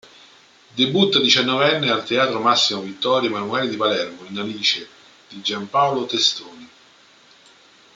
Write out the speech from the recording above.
Debutta diciannovenne al Teatro Massimo Vittorio Emanuele di Palermo in "Alice" di Giampaolo Testoni.